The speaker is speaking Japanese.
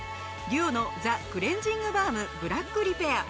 ＤＵＯのザクレンジングバームブラックリペア。